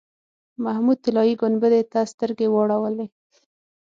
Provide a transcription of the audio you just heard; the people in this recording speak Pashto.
محمود طلایي ګنبدې ته سترګې واړولې.